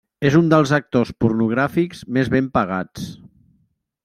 És un dels actors pornogràfics més ben pagats.